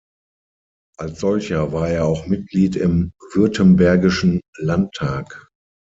Als solcher war er auch Mitglied im Württembergischen Landtag.